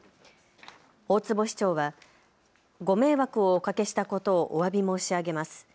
大坪市長はご迷惑をおかけしたことをおわび申し上げます。